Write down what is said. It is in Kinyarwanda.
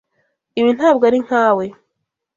Ibi ntabwo ari nkawe.